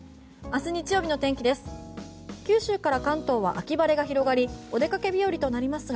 明日、日曜日の天気です。